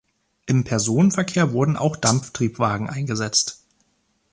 Im Personenverkehr wurden auch Dampftriebwagen eingesetzt.